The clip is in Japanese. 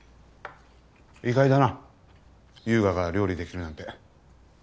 意外だな悠河が料理できるなんて。